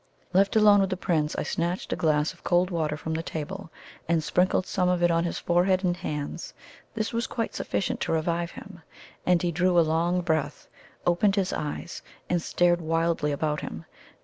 Left alone with the Prince, I snatched a glass of cold water from the table, and sprinkled some of it on his forehead and hands. This was quite sufficient to revive him; and he drew a long breath, opened his eyes, and stared wildly about him.